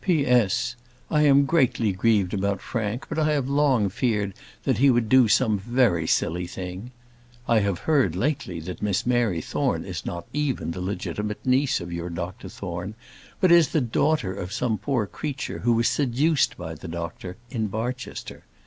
P.S. I am greatly grieved about Frank; but I have long feared that he would do some very silly thing. I have heard lately that Miss Mary Thorne is not even the legitimate niece of your Dr Thorne, but is the daughter of some poor creature who was seduced by the doctor, in Barchester.